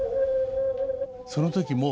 その時も。